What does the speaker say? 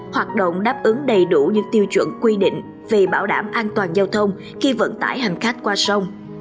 hoạt động đáp ứng đầy đủ những tiêu chuẩn quy định về bảo đảm an toàn giao thông khi vận tải hành khách qua sông